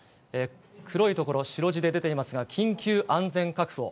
黒い所、白字で出ていますが、緊急安全確保。